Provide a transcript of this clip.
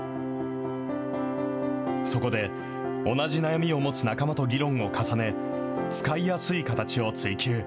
そこで、同じ悩みを持つ仲間と議論を重ね、使いやすい形を追求。